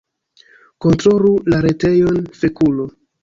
"Kontrolu la retejon, fekulo"